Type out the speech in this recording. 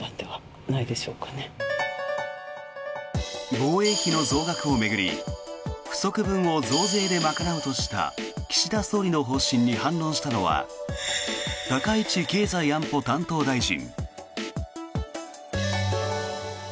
防衛費の増額を巡り不足分を増税で賄うとした岸田総理の方針に反論したのは高市経済安保担当大臣。